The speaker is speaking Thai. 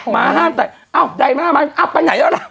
มาห้ามแต่อ้าวใดหน้ามาอ้าวไปไหนแล้วล่ะ